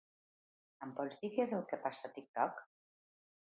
Em pots dir què és el que passa a TikTok?